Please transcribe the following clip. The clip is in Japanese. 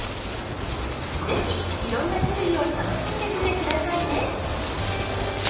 是非いろんな種類を楽しんでみて下さいね。